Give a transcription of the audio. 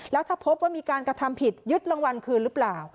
แล้วถ้าพบว่ามีการกระทำผิดยึดรางวัลคืนหรือเปล่า